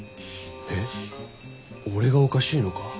えっ俺がおかしいのか？